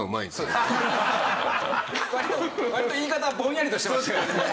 割と言い方はぼんやりとしてましたよね。